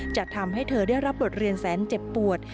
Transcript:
จะทำให้เธอได้รับบทเรียนแสนเจ็บปวด